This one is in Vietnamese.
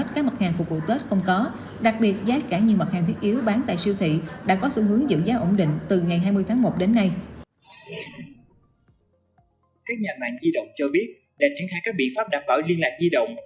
các nhà mạng di động cho biết để triển khai các biện pháp đảm bảo liên lạc di động